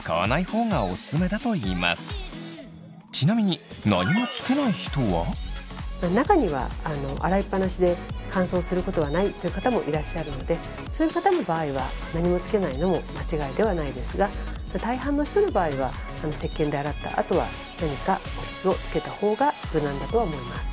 ちなみに中には洗いっぱなしで乾燥することはないという方もいらっしゃるのでそういう方の場合は何もつけないのも間違いではないですが大半の人の場合はせっけんで洗ったあとは何か保湿をつけた方が無難だとは思います。